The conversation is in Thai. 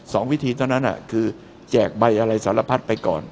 วิธีเท่านั้นคือแจกใบอะไรสารพัดไปก่อน